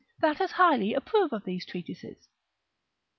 that as highly approve of these treatises.